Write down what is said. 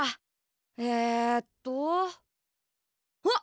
えっとあっ！